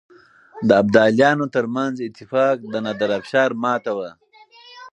د ابدالیانو ترمنځ اتفاق د نادرافشار ماته وه.